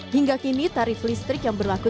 hingga kini tarif listrik yang berlaku